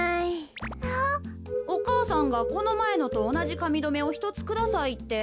お母さんがこのまえのとおなじかみどめをひとつくださいって。